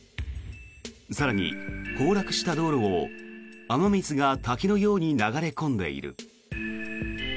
更に、崩落した道路を雨水が滝のように流れ込んでいる。